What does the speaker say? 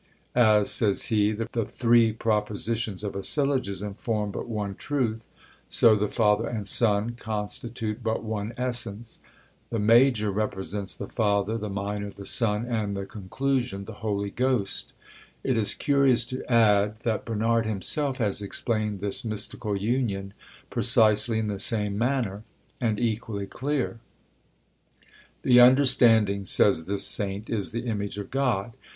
"As (says he) the three propositions of a syllogism form but one truth, so the Father and Son constitute but one essence. The major represents the Father, the minor the Son, and the conclusion the Holy Ghost!" It is curious to add, that Bernard himself has explained this mystical union precisely in the same manner, and equally clear. "The understanding," says this saint, "is the image of God.